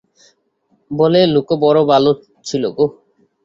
বলে, লোক বড় ভালো ছিল গো।